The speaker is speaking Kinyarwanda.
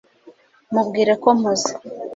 mubwire ko mpuze